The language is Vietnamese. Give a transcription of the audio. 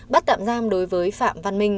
bắt tạm giam đối với phạm văn minh